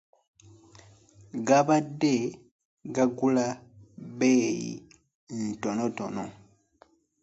Gabadde gagula bbeeyi ntonotono.